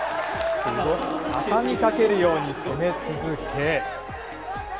畳みかけるように攻め続け。